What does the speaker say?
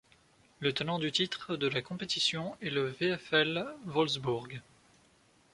Le tenant du titre de la compétition est le VfL Wolfsburg.